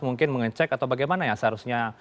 mungkin mengecek atau bagaimana ya seharusnya